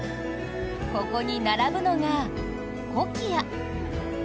ここに並ぶのがコキア。